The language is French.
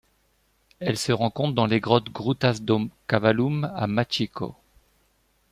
Elle se rencontre dans les grottes Grutas do Cavalum à Machico.